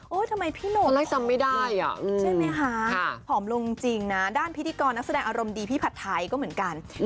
เออทำไมพี่หนูอ่ะไม่ได้ใช่ไหมขอบลงจริงด้านพิธีกรนักแสดงอารมณ์ดีพี่ตาอย่างเหมือนกัน